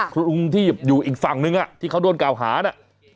คุณลุงที่อยู่อีกฝั่งนึงที่เขาโดนกล่าวหานะ